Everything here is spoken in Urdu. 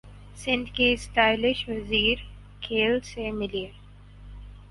سندھ کے اسٹائلش وزیر کھیل سے ملیے